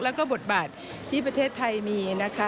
แล้วก็บทบาทที่ประเทศไทยมีนะคะ